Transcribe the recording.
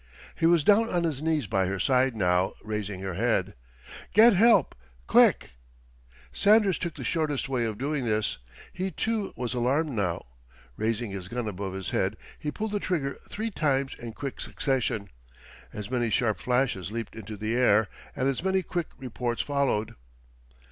He was down on his knees by her side now, raising her head. "Get help quick!" Sanders took the shortest way of doing this. He, too, was alarmed now. Raising his gun above his head, he pulled the trigger three times in quick succession. As many sharp flashes leaped into the air, and as many quick reports followed.